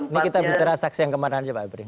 ini kita bicara saksi yang kemarahan aja pak amri